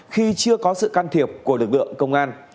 khi chưa có sự can thiệp của lực lượng công an